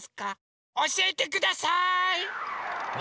おしえてください！